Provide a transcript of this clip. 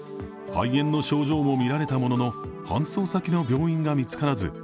肺炎の症状も見られたものの搬送先の病院が見つからず